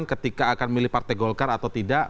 orang ketika akan memilih partai golkar atau tidak